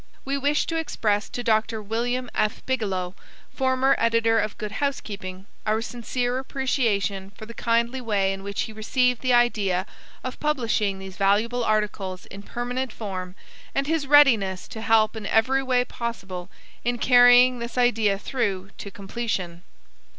We wish to express to Dr. William F. Bigelow, former Editor of Good Housekeeping, our sincere appreciation for the kindly way in which he received the idea of publishing these valuable articles in permanent form and his readiness to help in every way possible in carrying this idea through to completion.